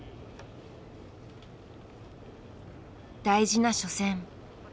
大事な初戦。